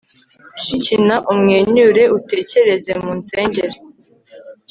Kina umwenyure utekereze munsengere